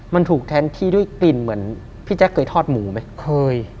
มันถูกแทนที่ด้วยกลิ่นเหมือนพี่แจ๊คเคยทอดหมูไหมเคย